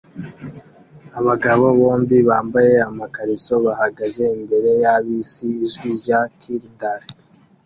Abagabo bombi bambaye amakariso bahagaze imbere ya bisi "Ijwi rya Kildare"